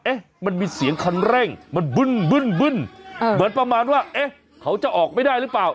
มันมีเสียงคันเร่งมันบึ้นบึ้นเหมือนประมาณว่าเอ๊ะเขาจะออกไม่ได้หรือเปล่า